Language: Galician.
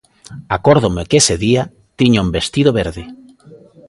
Acórdome que ese día tiña un vestido verde.